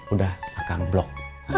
udah akang blok